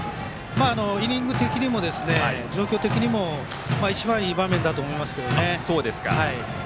イニング的にも状況的にも一番いい場面だと思います。